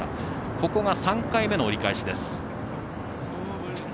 ここが３回目の折り返しです。